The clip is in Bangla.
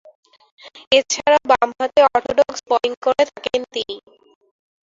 এছাড়াও, বামহাতে অর্থোডক্স বোলিং করে থাকেন তিনি।